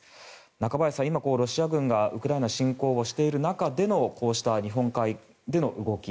中林さん、今、ロシア軍がウクライナ侵攻をしている中でのこうした日本海での動き